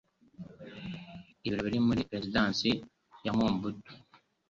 Ibiro muri Perezidansi ya Mobutu